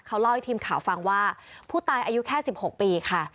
เขาเล่าให้ทีมข่าวฟังว่าผู้ตายอายุแค่๑๖ปีค่ะ